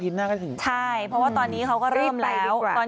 พี่หนุ่มกินเดี๋ยวนี้ก็ให้รถบริการค่ะพี่หนุ่มกินเดี๋ยวนี้ก็ให้รถบริการค่ะ